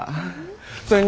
それにね